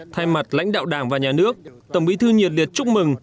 thay mặt lãnh đạo đảng và nhà nước tổng bí thư nhiệt liệt chúc mừng